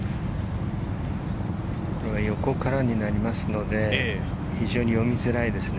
横からになりますので、非常に読みづらいですね。